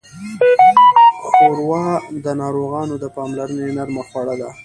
ښوروا د ناروغانو د پاملرنې نرمه خواړه ده.